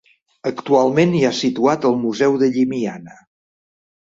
Actualment hi ha situat el Museu de Llimiana.